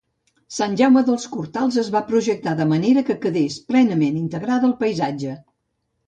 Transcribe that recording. Sant Jaume dels Cortals es va projectar de manera que quedés plenament integrada al paisatge.